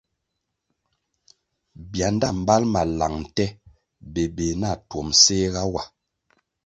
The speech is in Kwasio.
Bianda mbal ma lang nte bébéh na tuom séhga wa.